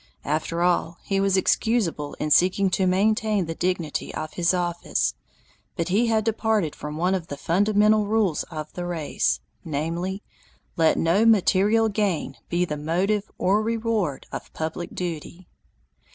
After all, he was excusable in seeking to maintain the dignity of his office, but he had departed from one of the fundamental rules of the race, namely: "Let no material gain be the motive or reward of public duty."